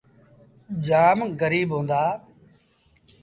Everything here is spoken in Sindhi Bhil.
جآم گريٚب هُݩدآ۔